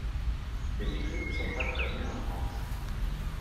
Ses écrits ne sont pas traduits en France.